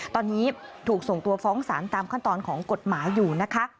ตอนนี้ถูกส่งตัวฟ้องสารตามขั้นตอนของกฎหมายอยู่นะคะ